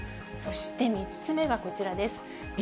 そして３つ目がこちらです。